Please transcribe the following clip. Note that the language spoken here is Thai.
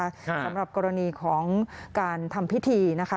สำหรับกรณีของการทำพิธีนะคะ